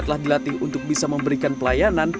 telah dilatih untuk bisa memberikan pelayanan